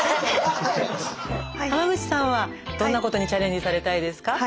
浜口さんはどんなことにチャレンジされたいですか？